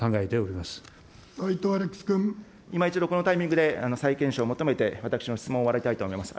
いま一度このタイミングで再検証を求めて私の質問を終わりたいと思います。